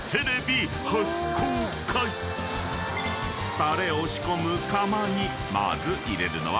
［タレを仕込む釜にまず入れるのは］